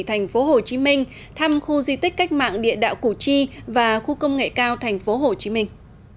thành phố hồ chí minh thăm khu di tích cách mạng địa đạo củ chi và khu công nghệ cao thành phố hồ chí minh